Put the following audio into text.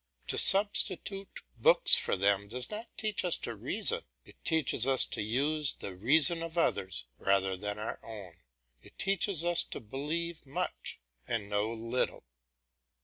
To substitute books for them does not teach us to reason, it teaches us to use the reason of others rather than our own; it teaches us to believe much and know little.